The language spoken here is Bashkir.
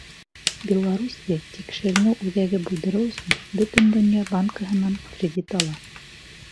Белоруссия тикшеренеү үҙәге булдырыу өсөн Бөтөн донъя банкыһынан кредит ала.